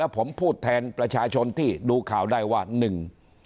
ผมพูดแทนประชาชนที่ดูข่าวได้ว่าหนึ่ง